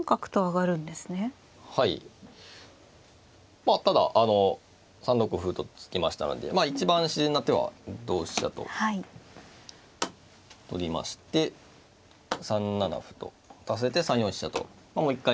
まあただ３六歩と突きましたので一番自然な手は同飛車と取りまして３七歩と打たせて３四飛車ともう一回ですね